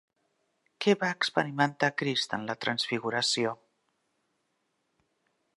Què va experimentar Crist en la transfiguració?